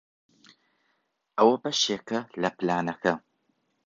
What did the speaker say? ئەوە بەشێکە لە پلانەکە.